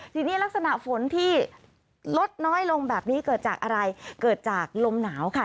ทีนี้ลักษณะฝนที่ลดน้อยลงแบบนี้เกิดจากอะไรเกิดจากลมหนาวค่ะ